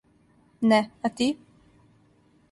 Не, а ти?